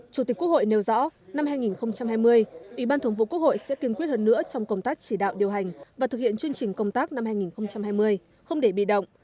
chủ tịch quốc hội nêu rõ năm hai nghìn hai mươi ủy ban thường vụ quốc hội sẽ kiên quyết hơn nữa trong công tác chỉ đạo điều hành và thực hiện chương trình công tác năm hai nghìn hai mươi không để bị động